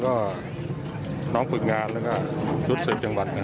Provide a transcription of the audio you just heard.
เอ้าขึ้นเดี๋ยวเดี๋ยวให้มันเดิน